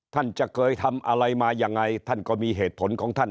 ท่านจะเคยทำอะไรมายังไงท่านก็มีเหตุผลของท่าน